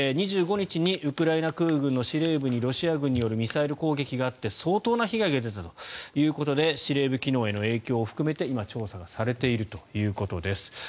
２５日にウクライナ空軍の司令部にロシア軍によるミサイル攻撃があって相当な被害が出たということで司令部機能への影響も含めて今、調査されているということです。